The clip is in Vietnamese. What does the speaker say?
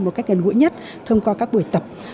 một cách gần gũi nhất thông qua các buổi tập